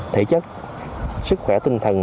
thể chất sức khỏe tinh thần